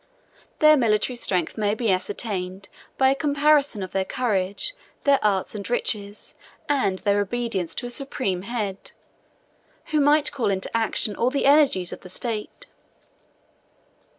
Their military strength may be ascertained by a comparison of their courage, their arts and riches, and their obedience to a supreme head, who might call into action all the energies of the state.